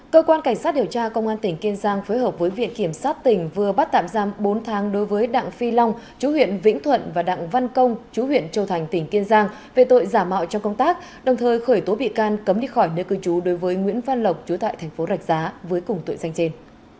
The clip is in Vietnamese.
cơ quan cảnh sát điều tra công an tỉnh kiên giang phối hợp với viện kiểm sát tỉnh vừa bắt tạm giam bốn tháng đối với đặng phi long chú huyện vĩnh thuận và đặng văn công chú huyện châu thành tỉnh kiên giang về tội giả mạo trong công tác đồng thời khởi tố bị can cấm đi khỏi nơi cư trú đối với nguyễn văn lộc chú tại thành phố rạch giá với cùng tội danh trên